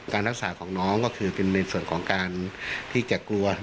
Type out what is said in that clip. การรักษาของน้องก็คือเป็นในส่วนของการที่จะกลัว